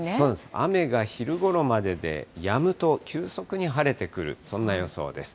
雨が昼ごろまででやむと急速に晴れてくる、そんな予想です。